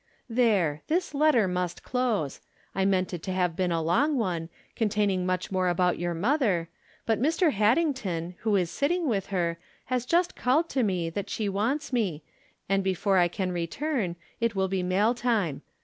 There ! this letter must close. I meant it to have been a long one, containing much more about your mother, but Mr. Haddington, who is sitting with her, has just called to me that she wants me, and, before I can return, it will be mail time.